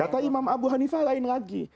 atau imam abu hanifah lain lagi